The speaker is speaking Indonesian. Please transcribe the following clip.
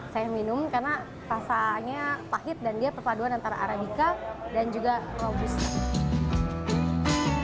saya minum karena rasanya pahit dan dia perpaduan antara arabica dan juga robusta